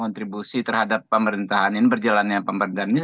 kontribusi terhadap pemerintahan ini berjalan yang pemberdannya